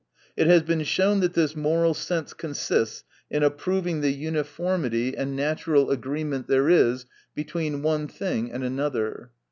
It has been shown, that this moral sense consists in approving the uni formity and natural agreement there is between one thing and another.